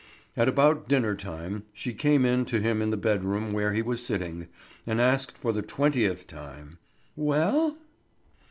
At about dinner time she came in to him in the bedroom where he was sitting, and asked for the twentieth time! "Well?"